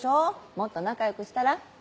もっと仲良くしたら？